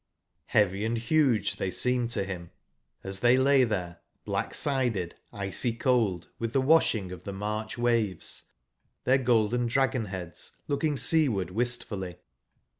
Heavy and huge they seemed to him as tbcy lay there, black /eided, icy/cold with the washing of the )VIarch waves, their golden dragon/ heads looking seaward wistfully.